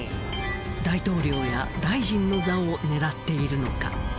大統領や大臣の座を狙っているのか？